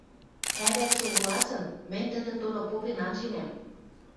ӓвӓт согласын, мӹнь тӹдӹн доно попен анженӓм.